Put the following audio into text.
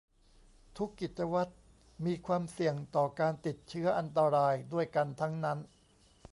ทุกกิจวัตรมีความเสี่ยงต่อการติดเชื้ออันตรายด้วยกันทั้งนั้น